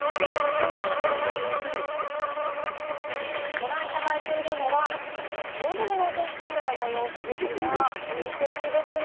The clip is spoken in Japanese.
ご覧いただいているのは、汐留のお天気カメラの様子ですが、いい天気ですね。